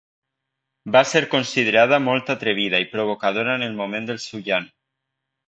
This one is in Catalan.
va ser considerada molt atrevida i provocadora en el moment del seu llan